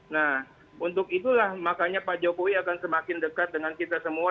nah untuk itulah makanya pak jokowi akan semakin dekat dengan kita semua